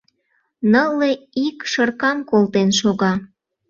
Нылле ик шыркам колтен шога.